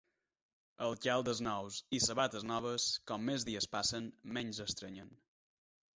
Alcaldes nous i sabates noves, com més dies passen, menys estrenyen.